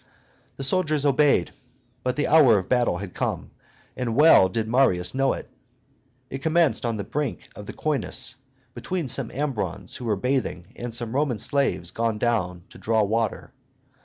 The soldiers obeyed: but the hour of battle had come, and well did Marius know it. It commenced on the brink of the Coenus, between some Ambrons who were bathing and some Roman slaves gone down to draw water.